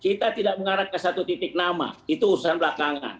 kita tidak mengarah ke satu titik nama itu urusan belakangan